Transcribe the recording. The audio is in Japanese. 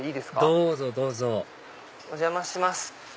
どうぞどうぞお邪魔します。